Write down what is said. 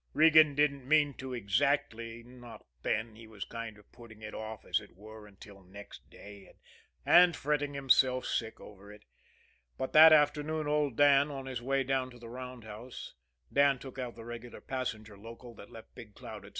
Regan didn't mean to exactly, not then he was kind of putting it off, as it were until next day and fretting himself sick over it. But that afternoon old Dan, on his way down to the roundhouse Dan took out the regular passenger local that left Big Cloud at 6.